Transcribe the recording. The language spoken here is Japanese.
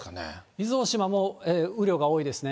伊豆大島も雨量が多いですね。